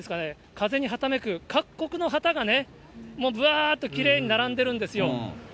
風にはためく各国の旗がね、もうぶわーっときれいに並んでるんですよ。